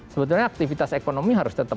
sebetulnya aktivitas ekonomi harus tetap